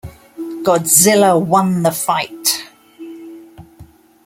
Godzilla won the fight.